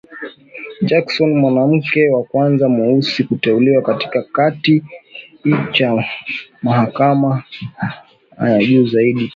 Jackson, mwanamke wa kwanza mweusi kuteuliwa katika kiti cha mahakama ya juu zaidi ya taifa